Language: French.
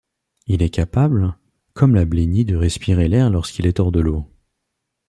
Il est capable, comme la blennie de respirer l'air lorsqu'il est hors de l'eau.